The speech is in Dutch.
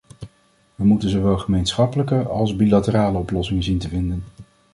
We moeten zowel gemeenschappelijke als bilaterale oplossingen zien te vinden.